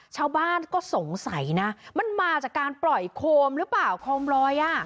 ชาวบ้านก็สงสัยนะมันมาจากการปล่อยโคมหรือเปล่าโคมลอยอ่ะ